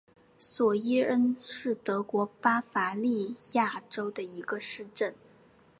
索伊恩是德国巴伐利亚州的一个市镇。